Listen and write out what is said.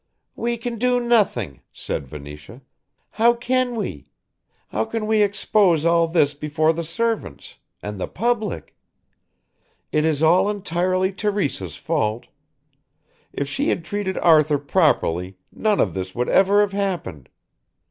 "We can do nothing," said Venetia. "How can we? How can we expose all this before the servants and the public? It is all entirely Teresa's fault. If she had treated Arthur properly none of this would ever have happened.